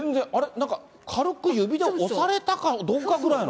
なんか軽く指で押されたかどうかぐらいの。